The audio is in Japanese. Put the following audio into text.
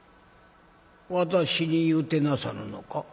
「私に言うてなさるのか？」。